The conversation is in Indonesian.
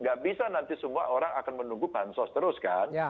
gak bisa nanti semua orang akan menunggu bansos terus kan